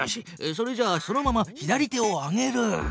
それじゃあそのまま左手を上げる。